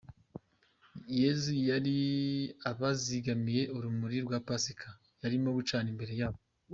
Yezu yari abazigamiye urumuri rwa Pasika yarimo gucana imbere yabo.